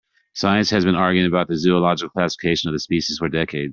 Science has been arguing about the zoological classification of the species for decades.